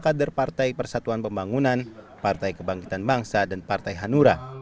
kader partai persatuan pembangunan partai kebangkitan bangsa dan partai hanura